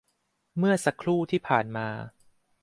เมื่อสักครู่ที่ผ่านมา